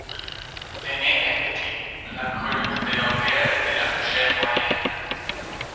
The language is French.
Le nez est petit, l'encolure de longueur et de largeur moyennes.